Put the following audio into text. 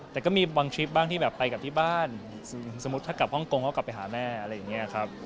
แต่ก็มีบางทริปบ้างที่แบบไปกลับที่บ้านสมมุติถ้ากลับฮ่องกงเขากลับไปหาแม่อะไรอย่างนี้ครับ